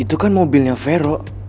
itu kan mobilnya vero